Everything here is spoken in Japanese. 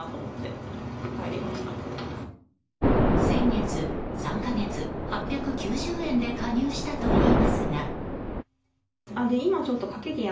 先月、３か月８９０円で加入したといいますが。